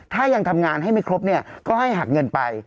ถ้ายังทำงานให้ไม่ครบเนี่ยก็ให้หักเงินไป